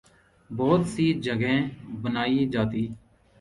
بہت سی جگہیں بنائی جاتی